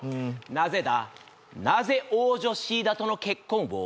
「なぜだなぜ王女シーダとの結婚を」